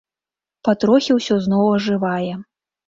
Патрохі ўсё зноў ажывае.